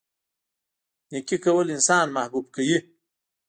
نیکي کول انسان محبوب کوي.